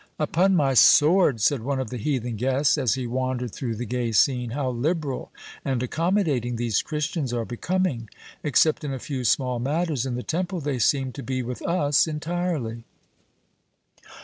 "Upon my sword," said one of the heathen guests, as he wandered through the gay scene, "how liberal and accommodating these Christians are becoming! Except in a few small matters in the temple, they seem to be with us entirely."